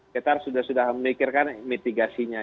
kita sudah sudah memikirkan mitigasinya